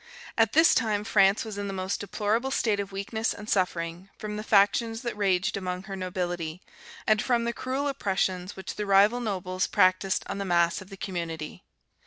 At this time France was in the most deplorable state of weakness and suffering, from the factions that raged among her nobility, and from the cruel oppressions which the rival nobles practised on the mass of the community.